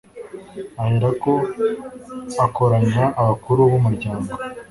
ahera ko akoranya abakuru b'umuryango